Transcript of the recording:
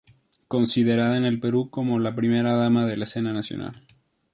Considerada en el Perú como la primera dama de la escena nacional.